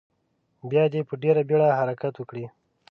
بیا دې په ډیره بیړه حرکت وکړي.